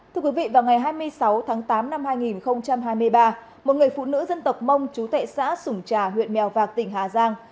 thưa quý vị vào ngày hai mươi sáu tháng tám năm hai nghìn hai mươi ba một người phụ nữ dân tộc mông chú tệ xã sủng trà huyện mèo vạc tỉnh hà giang